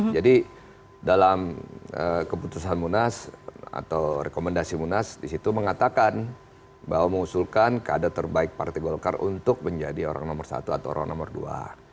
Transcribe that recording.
jadi dalam keputusan munas atau rekomendasi munas disitu mengatakan bahwa mengusulkan keadaan terbaik partai golkar untuk menjadi orang nomor satu atau orang nomor dua